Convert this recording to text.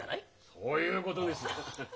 そういうことです！